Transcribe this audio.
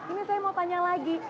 ini saya mau tanya lagi